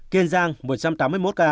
kiên giang một trăm tám mươi một ca